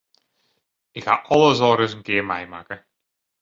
Ik haw alles al ris in kear meimakke.